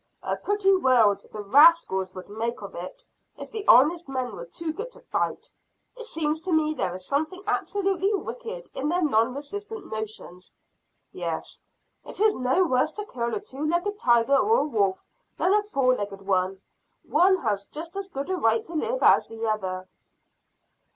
"A pretty world the rascals would make of it, if the honest men were too good to fight. It seems to me there is something absolutely wicked in their non resistant notions." "Yes, it is no worse to kill a two legged tiger or wolf than a four legged one; one has just as good a right to live as the other."